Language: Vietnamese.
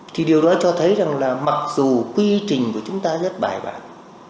thì điều đó cho thấy rằng là mặc dù quy trình của chúng ta rất bài bản